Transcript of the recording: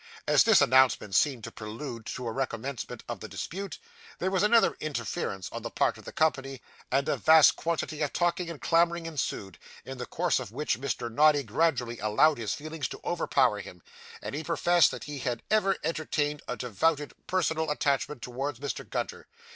As this announcement seemed the prelude to a recommencement of the dispute, there was another interference on the part of the company; and a vast quantity of talking and clamouring ensued, in the course of which Mr. Noddy gradually allowed his feelings to overpower him, and professed that he had ever entertained a devoted personal attachment towards Mr. Gunter.